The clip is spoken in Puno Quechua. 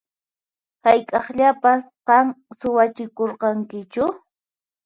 Hayk'aqllapas qan suwachikurqankichu?